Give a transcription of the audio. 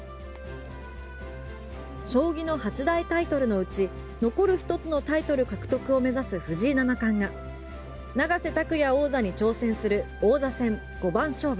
将棋の八大タイトルのうち残る一つのタイトル獲得を目指す藤井七冠が永瀬拓矢王座に挑戦する王座戦五番勝負。